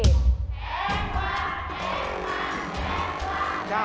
เฮ้ว่าเฮ้ว่าเฮ้ว่า